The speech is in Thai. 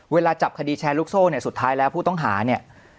เวลาจับคดีแชร์ลูกโซ่เนี่ยสุดท้ายแล้วผู้ต้องหาเนี่ย